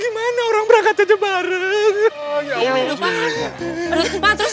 disitu mungkin quelimbungan dan